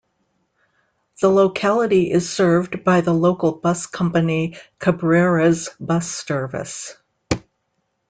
The locality is served by the local bus company Cabrera's Bus Service.